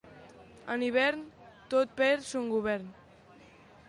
En hivern, tot perd son govern.